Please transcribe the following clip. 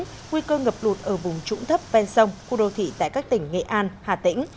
nguy cơ ngập lụt ở vùng trũng thấp ven sông khu đô thị tại các tỉnh nghệ an hà tĩnh